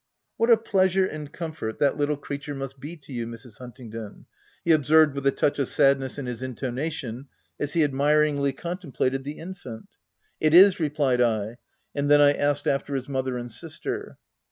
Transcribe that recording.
" What a pleasure and comfort that little 176 THE TENANT creature must be to you, Mrs. Huntingdon !? he observed with a touch of sadness in his in tonation, as he admiringly contemplated the infant. "It is/' replied I ; and then I asked after his mother and sister.